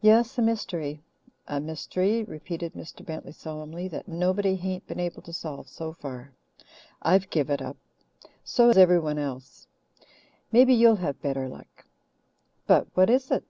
"Yes, a mystery a mystery," repeated Mr. Bentley solemnly, "that nobody hain't been able to solve so far. I've give it up so has everyone else. Maybe you'll have better luck." "But what is it?"